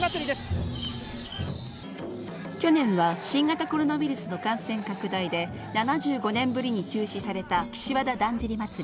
去年は新型コロナウイルスの感染拡大で、７５年ぶりに中止された岸和田だんじり祭。